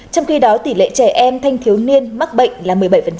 trong khi đó tỷ lệ trẻ em thanh thiếu niên mắc bệnh là một mươi bảy